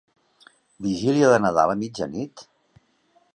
Vigília de Nadal a mitjanit?